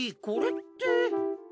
これって。